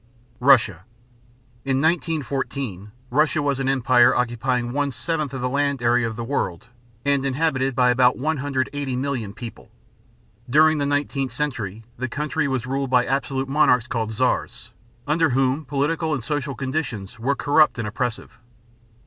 RUSSIA. In 1914 Russia was an empire occupying one seventh of the land area of the world and inhabited by about 180,000,000 people. During the nineteenth century the country was ruled by absolute monarchs called czars, under whom political and social conditions were corrupt and oppressive.